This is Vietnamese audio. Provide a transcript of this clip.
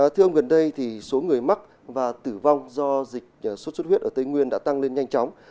thưa ông gần đây số người mắc và tử vong do dịch sốt xuất huyết ở tây nguyên đã tăng lên nhanh chóng